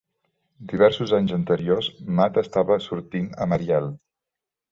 Diversos anys anteriors, Matt estava sortint amb Arielle.